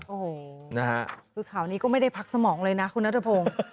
โอ้โหนะฮะคือข่าวนี้ก็ไม่ได้พักสมองเลยนะคุณนัทพงศ์